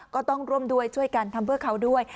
ก็ต้องร่วมด้วยช่วยกันทำเพื่อเขาด้วย